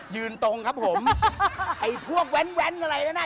ยืนตรงครับผมไอพวกแว้นอะไรนะ